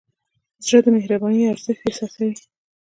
زړه د مهربانۍ ارزښت احساسوي.